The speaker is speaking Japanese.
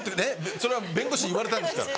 それは弁護士に言われたんですから。